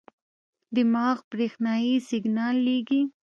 دماغ برېښنايي سیګنال لېږي.